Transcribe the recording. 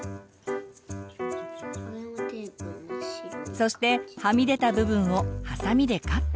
そしてはみ出た部分をハサミでカット。